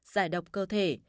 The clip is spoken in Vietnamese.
giải độc cơ thể